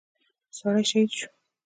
سړى شهيد شو.